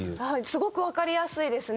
すごくわかりやすいですね。